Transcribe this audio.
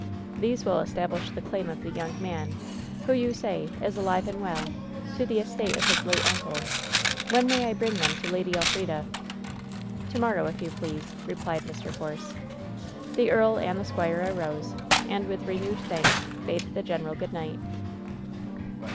These will establish the claim of the young man, who, yon say, is alive and well, to the estate of his late uncle. When may I bring them to Lady Elfrida ?" "To morrow, if you please," replied Mr. Force. Then the earl and the squire arose, and, with renewed thamks, bade the general good night.